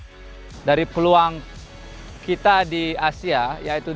kita bisa berjuang keras dengan mengikuti kualifikasi pada pertengahan tahun dua ribu dua puluh tiga